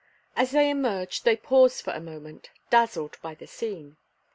As they emerged they paused for a moment, dazzled by the scene.